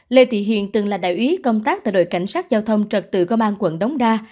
lê thị hiền từng là đại úy công tác tại đội cảnh sát giao thông trật tự công an quận đống đa